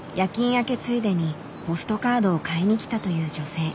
明けついでにポストカードを買いにきたという女性。